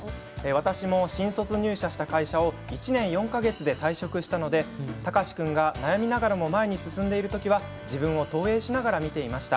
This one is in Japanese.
私も新卒入社した会社を１年４か月で退職したので貴司君が悩みながらも前に進んでいる時は自分を投影しながら見ていました。